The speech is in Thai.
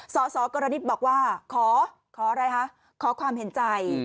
สสกรณิตบอกว่าขออะไรคะขอความเห็นใจ